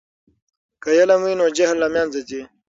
که علم وي نو جهل له منځه ځي.